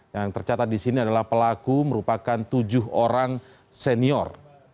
yang tercatat di sini adalah pelaku merupakan tujuh orang senior